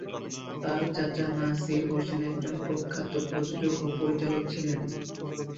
তার চাচা নাসির হোসেন একজন প্রখ্যাত প্রযোজক ও পরিচালক ছিলেন।